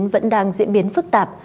vẫn đang diễn biến phức tạp